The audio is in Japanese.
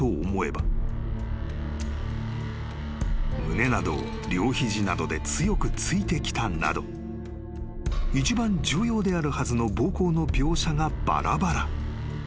［「胸などを両肘などで強く突いてきた」など一番重要であるはずの暴行の描写がばらばら］